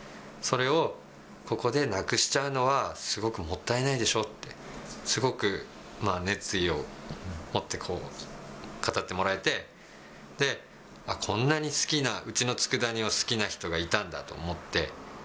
それをここでなくしちゃうのは、すごくもったいないでしょって、すごく熱意を持って語ってもらえて、で、こんなに好きな、うちのつくだ煮を好きな人がいたんだと思って。